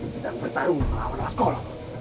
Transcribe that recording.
sedang bertarung melawan laskol